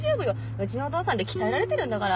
うちのお父さんで鍛えられてるんだから。